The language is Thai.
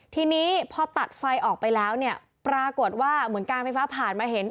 ทีนี้พอตัดไฟออกไปแล้วเนี่ยปรากฏว่าเหมือนการไฟฟ้าผ่านมาเห็น